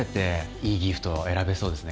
いいギフトを選べそうですね